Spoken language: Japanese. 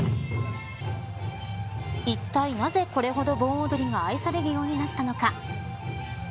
いったいなぜ、これほど盆踊りが愛されるようになったのか。